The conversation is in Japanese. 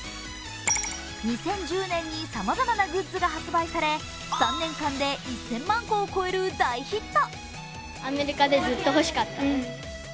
２０１０年にさまざまなグッズが発売され３年間で１０００万個を超える大ヒット。